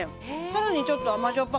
更にちょっと甘じょっ